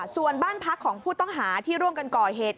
ส่วนบ้านพักของผู้ต้องหาที่ร่วมกันก่อเหตุ